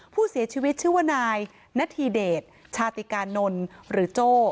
ผู้เสียชีวิตชื่อว่านายณฑีเดชชาติกานนท์หรือโจ้